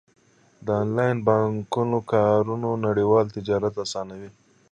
د انلاین بانکونو کارونه نړیوال تجارت اسانوي.